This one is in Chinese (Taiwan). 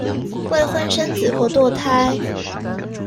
未婚生子或墮胎